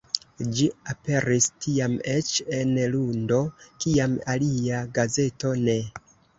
Ĝi aperis tiam eĉ en lundo, kiam alia gazeto ne.